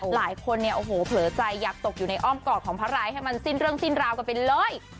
หลายคนเนี่ยโอ้โหเผลอใจอยากตกอยู่ในอ้อมกอดของพระรายให้มันสิ้นเรื่องสิ้นราวกันไปเลย